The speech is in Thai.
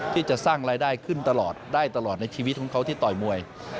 ที่จะสร้างรายได้ขึ้นตลอดได้ตลอดในชีวิตของเขาที่ต่อยมวย